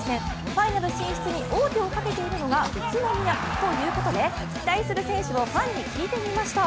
ファイナル進出に王手をかけているのが宇都宮ということで期待する選手をファンに聞いてみました。